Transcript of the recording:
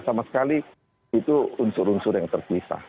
sama sekali itu unsur unsur yang terpisah